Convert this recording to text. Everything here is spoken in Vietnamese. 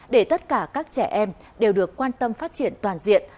để tất cả các trẻ em đều được quan tâm phát triển toàn diện